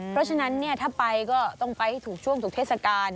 เพราะฉะนั้นถ้าไปก็ต้องไปให้ถูกช่วงถูกเทศกาล